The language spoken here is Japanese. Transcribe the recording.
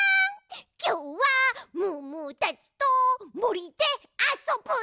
きょうはムームーたちともりであそぶんだ！